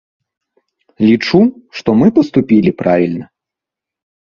Лічу, што мы паступілі правільна.